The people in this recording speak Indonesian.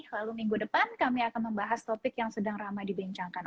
lalu minggu depan kami akan membahas topik yang sedang ramai dibincangkan